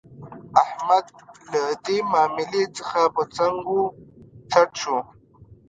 احمد له دې ماملې څخه په څنګ و څټ شو.